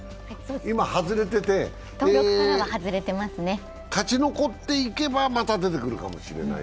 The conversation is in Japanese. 今、外れてて勝ち残っていけば、また出てくるかもしれない。